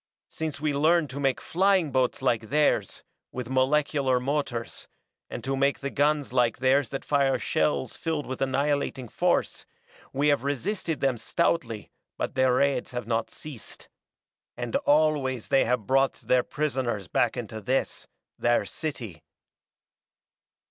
Since we learned to make flying boats like theirs, with molecular motors, and to make the guns like theirs that fire shells filled with annihilating force, we have resisted them stoutly but their raids have not ceased. And always they have brought their prisoners back in to this, their city.